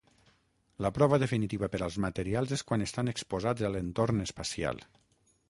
La prova definitiva per als materials és quan estan exposats a l'entorn espacial.